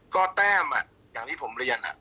ก็แต้มอย่างที่ผมเรียน